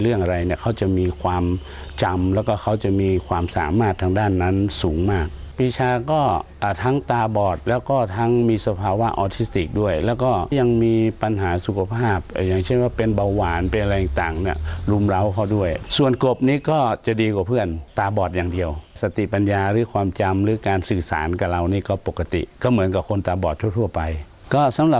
เรื่องอะไรเนี่ยเขาจะมีความจำแล้วก็เขาจะมีความสามารถทางด้านนั้นสูงมากพิชาก็อ่าทั้งตะบอดแล้วก็ทั้งมีสภาวะออทิสติกด้วยแล้วก็ยังมีปัญหาสุขภาพอย่างเช่นว่าเป็นเบาหวานเป็นอะไรต่างเนี่ยรุมร้าวเขาด้วยส่วนกบนี้ก็จะดีกว่าเพื่อนตะบอดอย่างเดียวสติปัญญาหรือความจำหรือการสื่อสารกับเราน